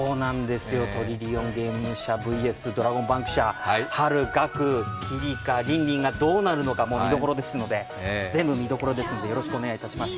トリリオンゲーム社ＶＳドラゴンバンク社ハル、ガク、キリカ、リンリンがどうなるのか、全部見どころですのでよろしくお願いします。